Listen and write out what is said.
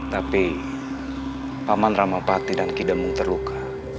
tapi paman ramah pati dan tidak mengterluka